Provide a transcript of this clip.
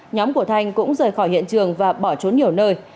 nhóm của thanh cũng rời khỏi hiện trường và bỏ trốn nhiều nơi